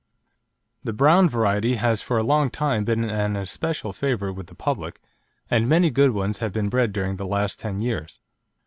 The brown variety has for a long time been an especial favourite with the public, and many good ones have been bred during the last ten years.